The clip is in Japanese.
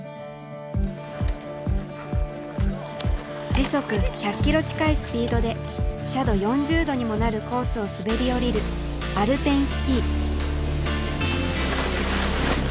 時速１００キロ近いスピードで斜度４０度にもなるコースを滑り降りるアルペンスキー。